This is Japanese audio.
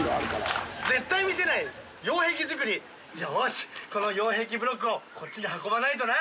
舛この擁壁ブロックをこっちに運ばないとな。